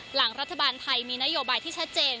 หลังรัฐบาลไทยมีนโยบายที่ชัดเจน